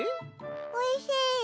おいしい。